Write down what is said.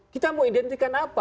kita mau identifikan apa